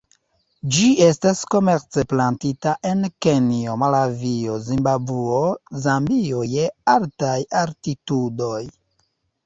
Ĝi estas komerce plantita en Kenjo, Malavio, Zimbabvo, Zambio je altaj altitudoj.